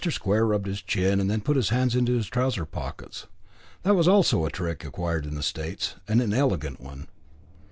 Square rubbed his chin, and then put his hands into his trouser pockets. That also was a trick acquired in the States, an inelegant one.